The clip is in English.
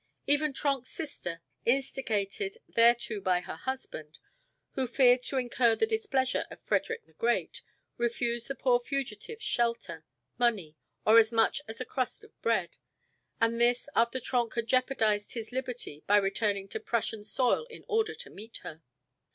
Even Trenck's sister, instigated thereto by her husband, who feared to incur the displeasure of Frederick the Great, refused the poor fugitives shelter, money, or as much as a crust of bread, and this after Trenck had jeopardized his liberty by returning to Prussian soil in order to meet her.